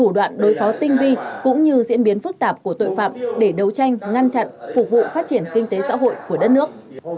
đoạn đối phó tinh vi cũng như diễn biến phức tạp của tội phạm để đấu tranh ngăn chặn phục vụ phát triển kinh tế xã hội của đất nước